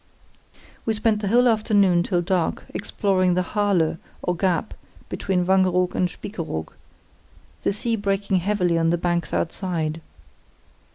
"We spent the whole afternoon till dark exploring the Harle, or gap between Wangeroog and Spiekeroog; the sea breaking heavily on the banks outside....